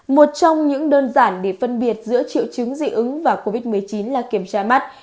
một trong những đơn giản để phân biệt giữa triệu chứng dị ứng và covid một mươi chín là kiểm tra mắt